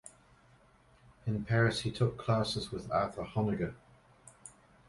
In Paris he took classes with Arthur Honegger.